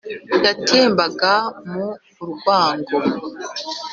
yatembaga mo urwango